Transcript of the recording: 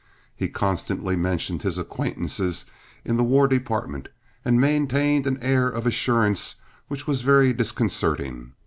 He constantly mentioned his acquaintances in the War Department and maintained an air of assurance which was very disconcerting.